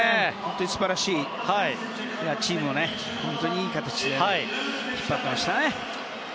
素晴らしいチームをいい形で引っ張ってましたね。